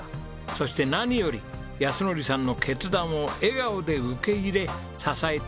そして何より靖典さんの決断を笑顔で受け入れ支えてきた知子さん。